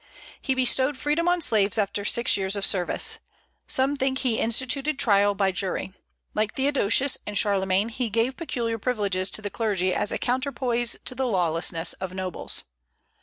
He bestowed freedom on slaves after six years of service. Some think he instituted trial by jury. Like Theodosius and Charlemagne, he gave peculiar privileges to the clergy as a counterpoise to the lawlessness of nobles.